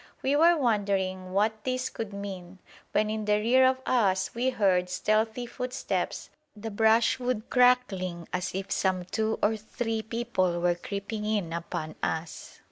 We were wondering what this could mean, when in the rear of us we heard stealthy footsteps, the brushwood crackling as if some two or three people were creeping in upon us.